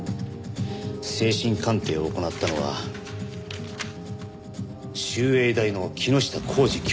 精神鑑定を行ったのは秀栄大の木下幸二教授です。